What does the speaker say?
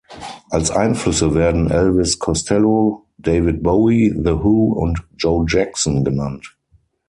Als Einflüsse werden Elvis Costello, David Bowie, The Who und Joe Jackson genannt.